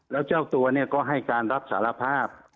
แล้วเจ้าตัวเนี่ยก็ให้การรับสารภาพ